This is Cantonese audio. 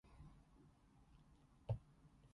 請問大角嘴新港豪庭點樣去?